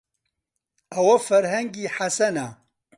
ئەوە فەرهەنگی حەسەنە.